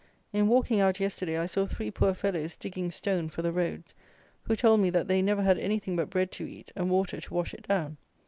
In walking out yesterday, I saw three poor fellows digging stone for the roads, who told me that they never had anything but bread to eat, and water to wash it down.